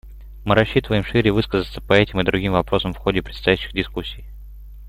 Мы рассчитываем шире высказаться по этим и другим вопросам в ходе предстоящих дискуссий.